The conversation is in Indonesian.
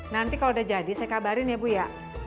nanti kalau udah jadi saya kabarin ya bu ya